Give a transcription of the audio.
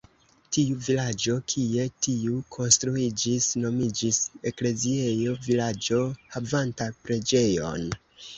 Tiu vilaĝo, kie tiu konstruiĝis, nomiĝis "ekleziejo" vilaĝo havanta preĝejon.